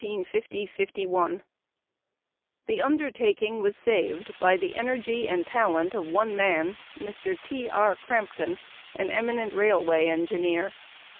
_ The undertaking was saved by the energy and talent of one man, Mr. T. R. Crampton, an eminent railway engineer.